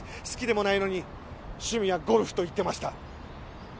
好きでもないのに趣味はゴルフと言ってました。